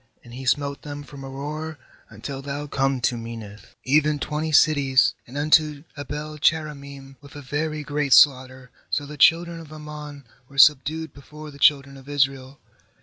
83And he smote them from Aroer until thou come to Min nith, even twenty cities, and unto Abel cheramim, with a very great slaughter. So the children of Ammon were subdued before the children of Israel.